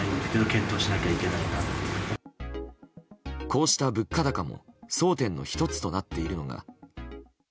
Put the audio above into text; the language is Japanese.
こうした物価高も争点の１つとなっているのが。